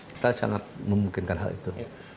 kita sangat memungkinkan hal itu